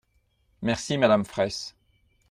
Merci, madame Fraysse.